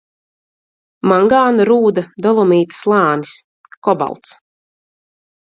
Mangāna rūda, dolomīta slānis. Kobalts.